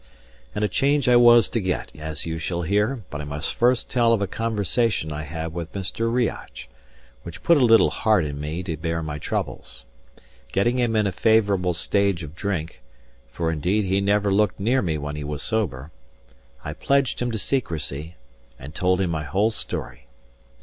And a change I was to get, as you shall hear; but I must first tell of a conversation I had with Mr. Riach, which put a little heart in me to bear my troubles. Getting him in a favourable stage of drink (for indeed he never looked near me when he was sober), I pledged him to secrecy, and told him my whole story.